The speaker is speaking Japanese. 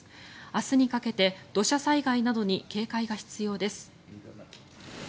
明日にかけて土砂災害などに警戒が必要です。